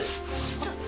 ちょっ。